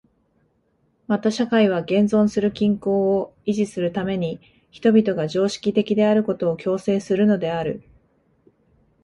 また社会は現存する均衡を維持するために人々が常識的であることを強制するのである。